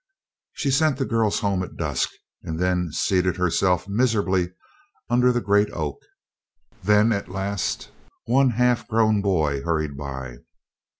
She sent the girls home at dusk and then seated herself miserably under the great oak; then at last one half grown boy hurried by.